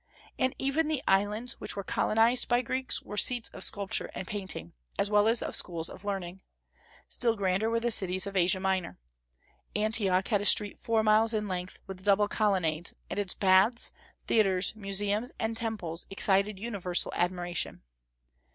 And even the islands which were colonized by Greeks were seats of sculpture and painting, as well as of schools of learning. Still grander were the cities of Asia Minor. Antioch had a street four miles in length, with double colonnades; and its baths, theatres, museums, and temples excited universal admiration.